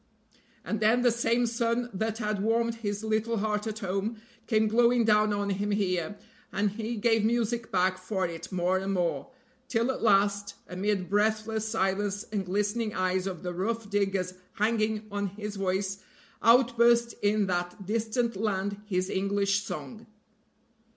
And then the same sun that had warmed his little heart at home came glowing down on him here, and he gave music back for it more and more, till at last amid breathless silence and glistening eyes of the rough diggers hanging on his voice out burst in that distant land his English song.